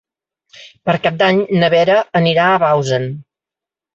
Per Cap d'Any na Vera anirà a Bausen.